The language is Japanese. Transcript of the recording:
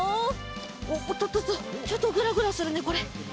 おっとっとっとちょっとぐらぐらするねこれ。